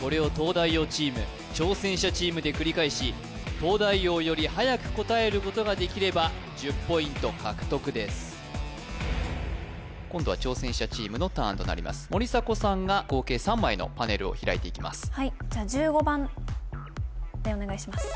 これを東大王チーム挑戦者チームで繰り返し東大王よりはやく答えることができれば１０ポイント獲得です今度は挑戦者チームのターンとなります森迫さんが合計３枚のパネルを開いていきますお願いします